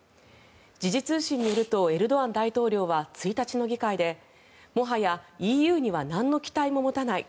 時事通信によるとエルドアン大統領は１日の議会でもはやＥＵにはなんの期待も持たない。